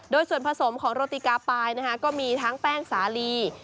โดยส่วนผสมของโรติกาปายก็มีทั้งแป้งสาลี